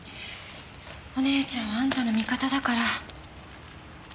お姉ちゃんはあんたの味方だから。